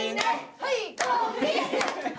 はい！